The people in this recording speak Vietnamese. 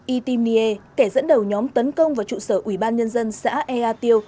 y tim nghie kẻ dẫn đầu nhóm tấn công vào trụ sở ủy ban nhân dân xã ea tiêu